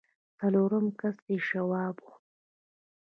څلورم کس يې شواب و.